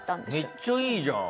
めっちゃいいじゃん！